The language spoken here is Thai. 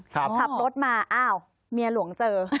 ขับรถมาอ้าวเมียหลวงเจอ